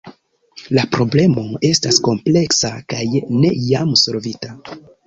La problemo estas kompleksa kaj ne jam solvita.